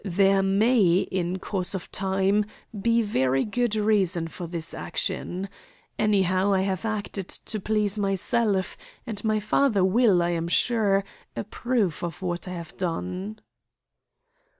There may, in course of time, be very good reason for this action. Anyhow, I have acted to please myself, and my father will, I am sure, approve of what I have done."